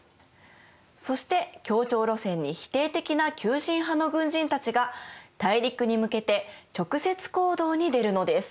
そして協調路線に否定的な急進派の軍人たちが大陸に向けて直接行動に出るのです。